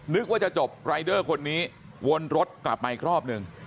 นึกว่าจะจบรายเดอร์คนนี้วนรถกลับมาอีกรอบหนึ่ง